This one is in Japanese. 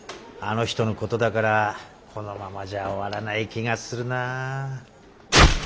あの人のことだからこのままじゃ終わらない気がするな。